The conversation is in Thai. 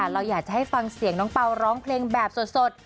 เราอยากจะให้ฟังเสียงน้องเปล่าร้องเพลงแบบสด